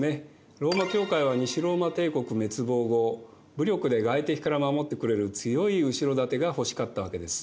ローマ教会は西ローマ帝国滅亡後武力で外敵から守ってくれる強い後ろ盾がほしかったわけです。